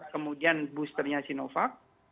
kemudian boosternya sinovac